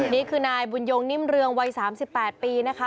นี่คือนายบุญยงนิ่มเรืองวัย๓๘ปีนะคะ